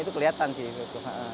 pernah kelihatan sih